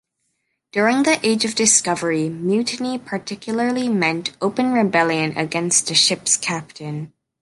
During the Age of Discovery, mutiny particularly meant open rebellion against a ship's captain.